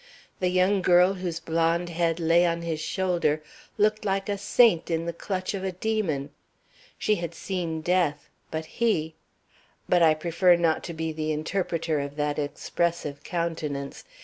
The young girl whose blond head lay on his shoulder looked like a saint in the clutch of a demon. She had seen death, but he But I prefer not to be the interpreter of that expressive countenance.